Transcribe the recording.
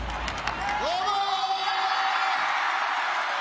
どうも！